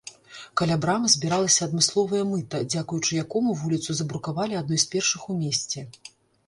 Каля брамы збіралася адмысловае мыта, дзякуючы якому вуліцу забрукавалі адной з першых у месце.